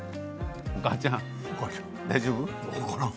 お母ちゃん、大丈夫？